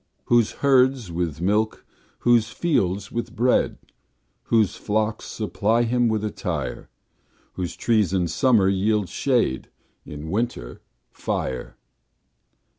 Whose herds with milk, whose fields with bread, Whose flocks supply him with attire; Whose trees in summer yield him shade, In winter fire.